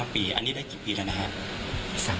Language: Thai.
ปีอันนี้ได้กี่ปีแล้วนะครับ